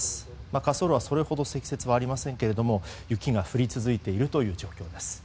滑走路はそれほど積雪はありませんけど雪が降り続いているという状況です。